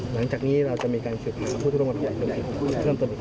หลังจากนี้เราจะมีการฉุดผู้ทุกรมบัตรใหญ่ขึ้นไป